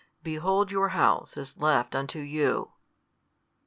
Behold your house is left unto you.